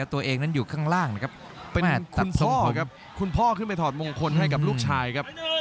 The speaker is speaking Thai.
ตัวเองนั้นอยู่ข้างล่างนะครับเป็นคุณโสครับคุณพ่อขึ้นไปถอดมงคลให้กับลูกชายครับ